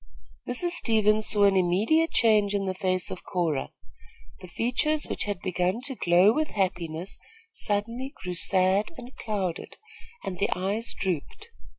Mrs. Stevens saw an immediate change in the face of Cora. The features which had begun to glow with happiness suddenly grew sad and clouded, and the eyes drooped.